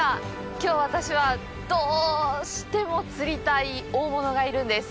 きょう、私はどうしても釣りたい大物がいるんです。